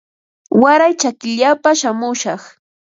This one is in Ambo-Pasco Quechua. Waray chakillapa shamushaq